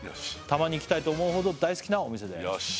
「たまに行きたいと思うほど大好きなお店です」